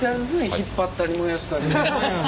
引っ張ったり燃やしたり。